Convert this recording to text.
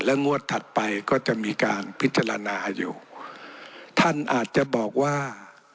งวดถัดไปก็จะมีการพิจารณาอยู่ท่านอาจจะบอกว่า